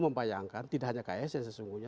membayangkan tidak hanya kasn sesungguhnya